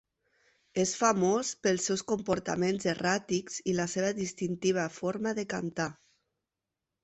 És famós pels seus comportaments erràtics i la seva distintiva forma de cantar.